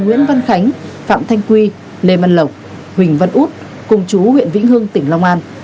nguyễn văn khánh phạm thanh quy lê văn lộc huỳnh văn út cùng chú huyện vĩnh hương tỉnh long an